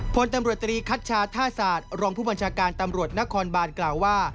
พลตำรวจตรีคัชชาท่าศาสตร์รองผู้บัญชาการตำรวจนครบานกล่าวว่า